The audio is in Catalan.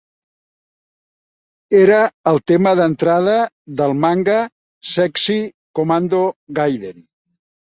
Era el tema d'entrada del manga "Sexy Commando Gaiden".